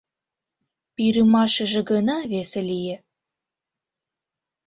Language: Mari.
Пӱрымашыже гына весе лие...